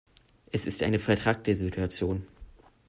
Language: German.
Es ist eine vetrackte Situation.